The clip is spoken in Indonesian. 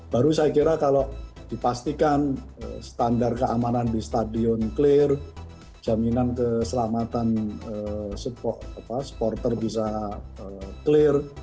baru saya kira kalau dipastikan standar keamanan di stadion clear jaminan keselamatan supporter bisa clear